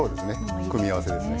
組み合わせですね。